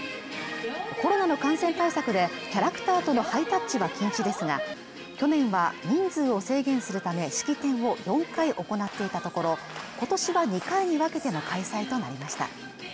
コロナの感染対策でキャラクターとのハイタッチは禁止ですが去年は人数を制限するため式典を４回行っていたところ今年は２回に分けての開催となりました